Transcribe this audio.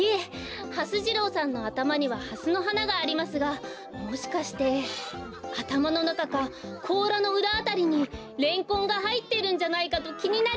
はす次郎さんのあたまにはハスのはながありますがもしかしてあたまのなかかこうらのうらあたりにレンコンがはいってるんじゃないかときになりまして。